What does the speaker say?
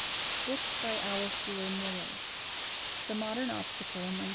BOOKS BY ALICE DUER MILLER The Modern Obstacle, 1903.